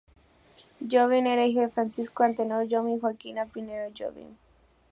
Jobim era hijo de Francisco Antenor Jobim y Joaquina Pinheiro Jobim.